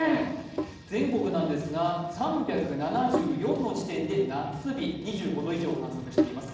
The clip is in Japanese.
全国なんですが、３７４の地点で夏日２５度以上を観測しています。